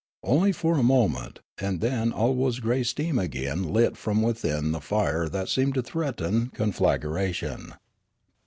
Only for a moment, and then all was grey steam again lit from within with fire that seemed to threaten conflagration.